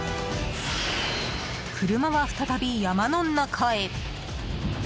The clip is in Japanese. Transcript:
車は再び山の中へ。